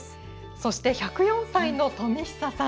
そして１０４歳の冨久さん